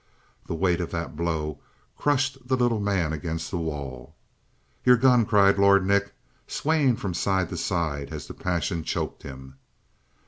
The weight of that blow crushed the little man against the wall. "Your gun!" cried Lord Nick, swaying from side to side as the passion choked him.